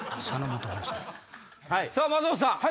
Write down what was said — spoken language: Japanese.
さぁ松本さん